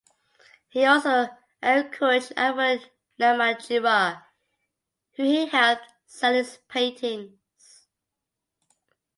He also encouraged Albert Namatjira who he helped sell his paintings.